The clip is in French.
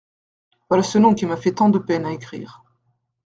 Voilà ce nom qui m''a fait tant de peine à écrire.